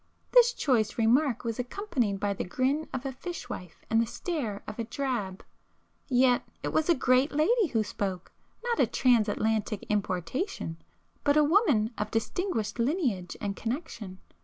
This choice remark was accompanied by the grin of a fishwife and the stare of a drab. Yet it was a 'great' lady who spoke,—not a Transatlantic importation, but a woman of distinguished lineage and connection.